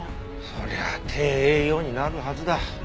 そりゃ低栄養になるはずだ。